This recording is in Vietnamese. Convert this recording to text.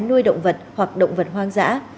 nuôi động vật hoặc động vật hoang dã